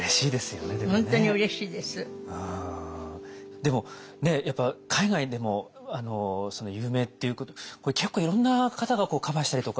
でもねやっぱ海外でも有名っていうこと結構いろんな方がカバーしたりとか。